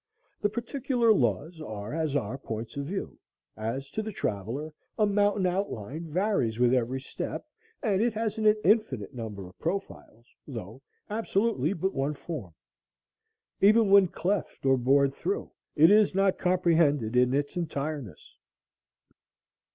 The particular laws are as our points of view, as, to the traveller, a mountain outline varies with every step, and it has an infinite number of profiles, though absolutely but one form. Even when cleft or bored through it is not comprehended in its entireness.